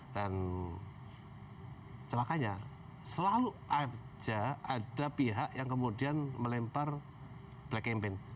dan selakanya selalu aja ada pihak yang kemudian melempar black campaign